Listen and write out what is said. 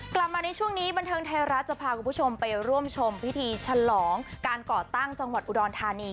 กลับมาในช่วงนี้บันเทิงไทยรัฐจะพาคุณผู้ชมไปร่วมชมพิธีฉลองการก่อตั้งจังหวัดอุดรธานี